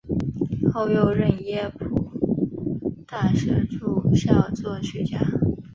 后又任耶鲁大学驻校作曲家。